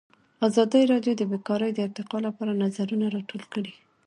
ازادي راډیو د بیکاري د ارتقا لپاره نظرونه راټول کړي.